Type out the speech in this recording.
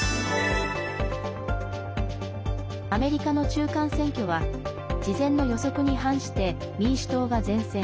アメリカの中間選挙は事前の予測に反して民主党が善戦。